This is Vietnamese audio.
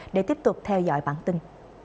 để tiếp tục theo dõi bản tin